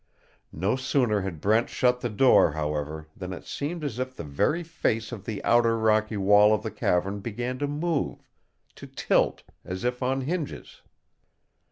No sooner had Brent shut the door, however, than it seemed as if the very face of the outer rocky wall of the cavern began to move to tilt, as if on hinges.